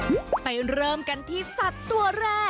แต่เป็นสุนัขที่ตายไปแล้วและถูกสตาปเอาไว้นะคุณผู้ชม